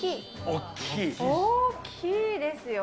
大きいですよ。